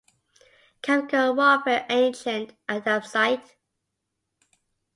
Chemical warfar agent Adamsite.